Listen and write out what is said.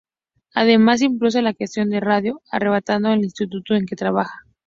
Además impulsa la creación de Radio Arrebato en el instituto en que trabaja.